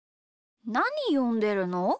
なによんでるの？